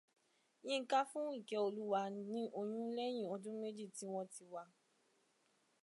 Yínká fún Ìkẹ́olúwa ní oyún lẹ́yìn ọdún méjì tí wón ti wà.